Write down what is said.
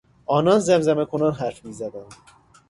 آنان زمزمه کنان حرف میزدند.